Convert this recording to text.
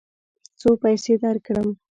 څو پیسې درکړم؟